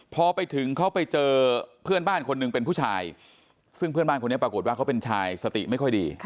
พอไปถึงเขาไปเจอเพื่อนบ้านคนหนึ่งเป็นผู้ชายซึ่งเพื่อนบ้านคนนี้ปรากฏว่าเขาเป็นชายสติไม่ค่อยดี